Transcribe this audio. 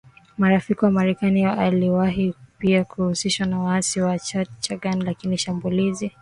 marafiki wa Marekani Aliwahi pia kuhusishwa na waasi wa Chad na Ghana Lakini shambulizi